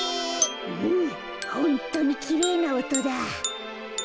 うんホントにきれいなおとだ。